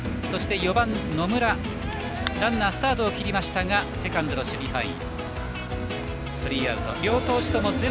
４番野村ランナースタートを切りましたがセカンドの守備範囲